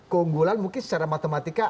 keunggulan mungkin secara matematika